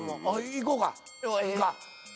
いこうか。